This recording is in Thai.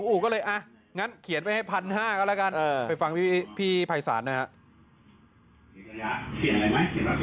เจ๊กระยะเปลี่ยนอะไรไหมเจ๊กระยะเปลี่ยนอะไรไหม